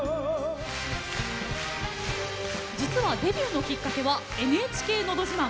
実は、デビューのきっかけはＮＨＫ「のど自慢」。